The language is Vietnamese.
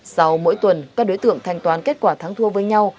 sau mỗi tuần các đối tượng thanh toán kết quả thắng thua với nhau